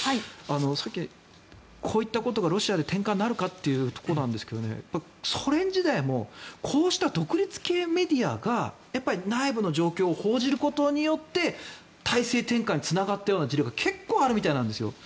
さっき、こういったことがロシアで転換になるかということなんですがソ連時代もこうした独立系メディアが内部の状況を報じることによって体制転換につながった事例が結構あったみたいなんですよ。